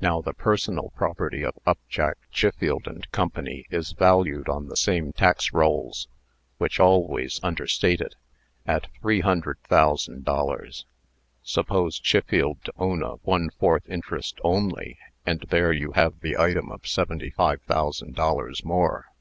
Now the personal property of Upjack, Chiffield & Co. is valued on the same tax rolls (which always understate it) at three hundred thousand dollars. Suppose Chiffield to own a one fourth interest only, and there you have the item of seventy five thousand dollars more.